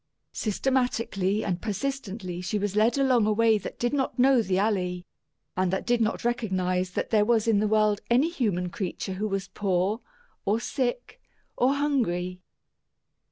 Systematically and persistently she was led along a way that did not know the Alley, and that did not recognize that there was in the world any human creature who was poor, or sick, or hungry.